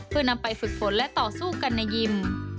เพื่อนำไปฝึกฝนและต่อสู้กันในยิม